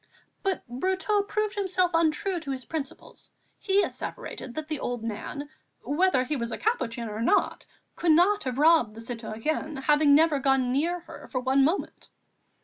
But Brotteaux proved himself untrue to his principles; he asseverated that the old man, whether he was a Capuchin or not, could not have robbed the citoyenne, having never gone near her for one moment.